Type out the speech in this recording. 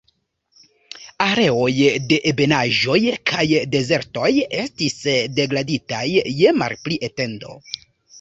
Areoj de ebenaĵoj kaj dezertoj estis degraditaj je malpli etendo.